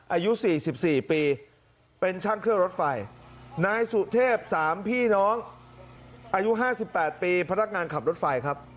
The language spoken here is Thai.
อายุ๔๔ปีเป็นช่างเครื่องรถไฟนายสุเทพสามพี่น้องอายุ๕๘ปีพนักงานขับรถไฟครับ